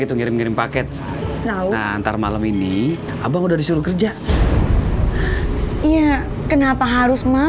alhamdulillah kalo abang udah dapet kerja